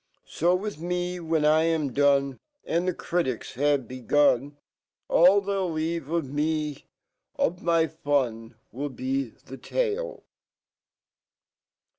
So with me , when I am done, And the critics have begun, All they'll leave me ormy fun 'LI be the tale.